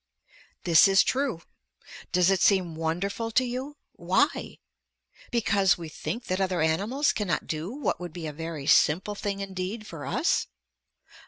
This is true. Does it seem wonderful to you? Why? Because we think that other animals cannot do what would be a very simple thing indeed for us?